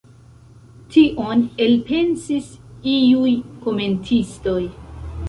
Tion elpensis iuj komentistoj.